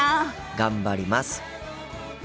頑張ります。